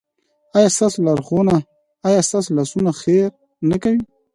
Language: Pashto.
ایا ستاسو لاسونه خیر نه کوي؟